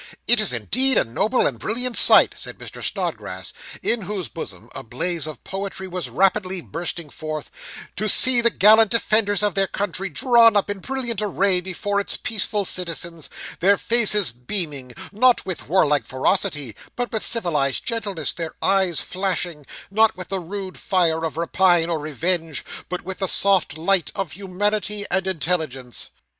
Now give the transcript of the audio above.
'It is indeed a noble and a brilliant sight,' said Mr. Snodgrass, in whose bosom a blaze of poetry was rapidly bursting forth, 'to see the gallant defenders of their country drawn up in brilliant array before its peaceful citizens; their faces beaming not with warlike ferocity, but with civilised gentleness; their eyes flashing not with the rude fire of rapine or revenge, but with the soft light of humanity and intelligence.